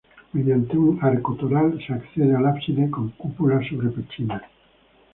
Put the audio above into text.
Mediante un arco toral se accede al ábside con cúpula sobre pechinas.